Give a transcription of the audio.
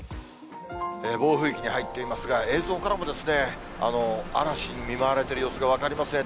暴風域に入っていますが、映像からも、嵐に見舞われてる様子が分かりますね。